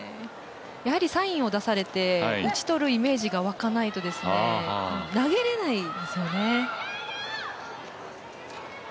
サインを出されて打ち取るイメージがわかないと投げれないんですよね。